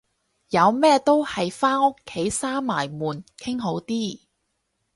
有咩都係返屋企閂埋門傾好啲